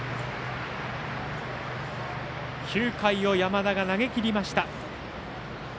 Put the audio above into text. ９回を山田が投げきりました。